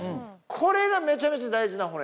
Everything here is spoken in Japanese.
これがめちゃめちゃ大事な骨で。